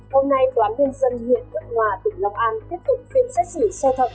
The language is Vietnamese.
hôm nay tòa án liên dân hiện tượng hòa tỉnh lòng an tiếp tục phiên xét xỉ xe thật